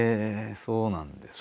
そうなんですか。